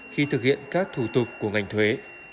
khi thực hiện các thủ tục của ngành thuế